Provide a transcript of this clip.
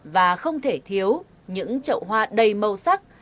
và không thể thiếu những chậu hoa đầy màu sắc